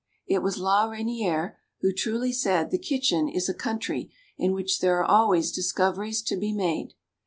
It was La Reyniere who truly said the kitchen is a country in which there are always discoveries to be made.